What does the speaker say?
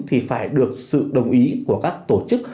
thì phải được sự đồng ý của các tổ chức